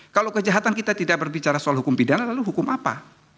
kalau kejahatan kita tidak berbicara soal hukum pidana lalu hukum apa